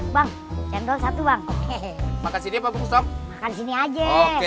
bang cendol satu bang oke makasih diapakah sini aja